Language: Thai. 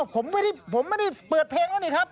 ผมไม่ได้เปิดเพลงแล้วนี่ครับ